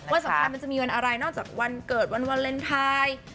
วันสำคัญมันจะมีวันอะไรนอกจากวันเกิดวันวาเลนไทย